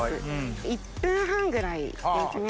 １分半ぐらいですね。